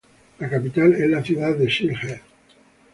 La capital es la ciudad de Sylhet.